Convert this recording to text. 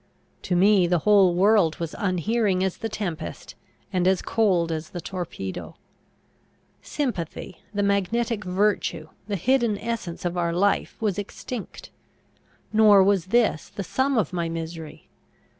To me the whole world was unhearing as the tempest, and as cold as the torpedo. Sympathy, the magnetic virtue, the hidden essence of our life, was extinct. Nor was this the sum of my misery.